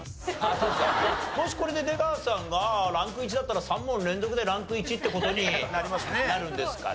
もしこれで出川さんがランク１だったら３問連続でランク１って事になるんですかね。